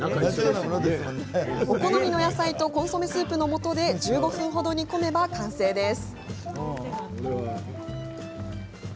お好みの野菜とコンソメスープのもとで１５分ほど煮込めば完成です。